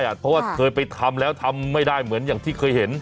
เอ่อเพราะเคยไปทำแล้วทำได้ไม่ได้เหมือนที่เคยเห็น